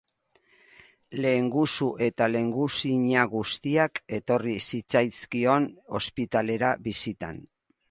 Lehengusu eta lehengusina guztiak etorri zitzaizkion ospitalera bisitan.